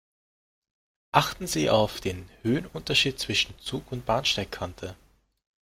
Achten Sie auf den Höhenunterschied zwischen Zug und Bahnsteigkante.